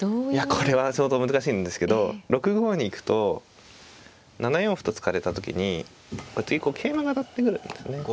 これは相当難しいんですけど６五に行くと７四歩と突かれた時に次こう桂馬が当たってくるんですね。